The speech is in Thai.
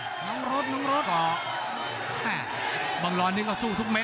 เชียวบังรอนมีการสู้ทั่วมัย